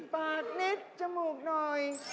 ปากนิดจมูกหน่อย